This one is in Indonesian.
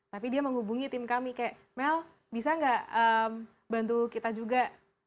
tapi dia menghubungi tim kami kayak mel bisa nggak bantu kita juga